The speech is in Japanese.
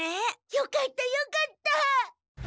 よかったよかった。